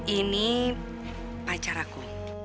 ini pacar aku